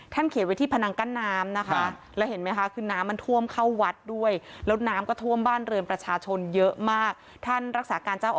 เขียนไว้ที่พนังกั้นน้ำนะคะ